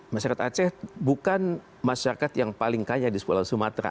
masyarakat aceh bukan masyarakat yang paling kaya di sekolah sumatera